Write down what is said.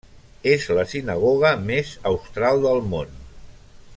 És la sinagoga més austral del món.